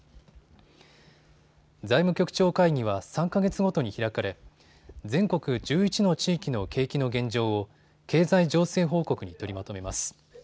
財務局長会議は３か月ごとに開かれ全国１１の地域の景気の現状を経済情勢報告に取りまとめます。